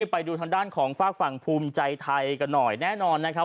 ไปดูทางด้านของฝากฝั่งภูมิใจไทยกันหน่อยแน่นอนนะครับ